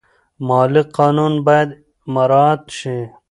مالي قانون باید مراعات شي.